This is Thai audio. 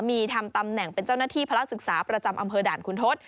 มีทำตำแหน่งเป็นเจ้าหน้าที่พระศึกษาประจำอำเภอด่านคุณทศ